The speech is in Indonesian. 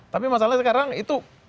tapi masalahnya sekarang itu